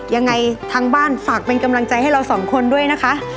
ยังไงทางบ้านฝากเป็นกำลังใจให้เราสองคนด้วยนะคะ